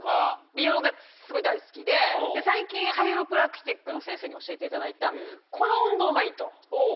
最近カイロプラクティックの先生に教えていただいたこの運動がいいと。